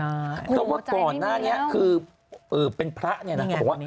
แต่ว่าก่อนหน้านี้คือเป็นพระเนี่ยนะ